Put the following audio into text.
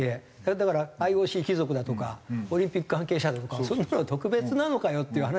だからＩＯＣ貴族だとかオリンピック関係者だとかそういう人は特別なのかよっていう話になるじゃないですか。